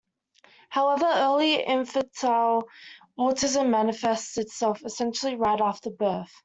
However, early infantile autism manifests itself essentially right after birth.